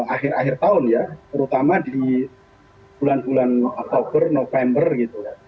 akhir akhir tahun ya terutama di bulan bulan oktober november gitu